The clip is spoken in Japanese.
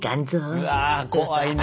うわ怖いな。